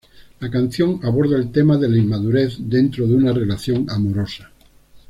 La canción aborda el tema de la inmadurez dentro de una relación amorosa.